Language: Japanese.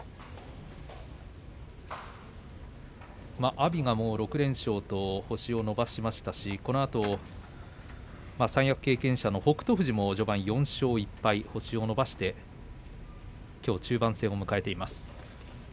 阿炎が６連勝と星を伸ばしましたし、このあと三役経験者の北勝富士も序盤４勝１敗と星を伸ばしてきょう中盤戦を迎えています。